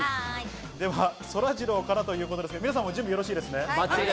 では、そらジローからということですが、皆さん、準備はよろしいですか？